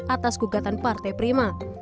atas gugatan partai prima